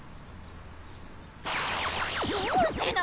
どうするの？